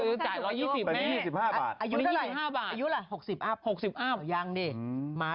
อุ๊ยตายแล้วพี่มากกลับแล้วนะวันนี้นะ